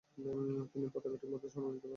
তিনি পতাকা ঠিকমত সামাল দিতে পারছেন না।